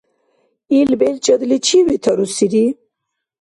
Ил белчӀадли, чи ветарусири?